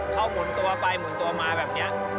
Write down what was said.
เขาหมุนตัวไปหมุนตัวมาแบบนี้